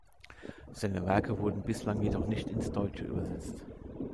Seine Werke wurden bislang jedoch nicht ins Deutsche übersetzt.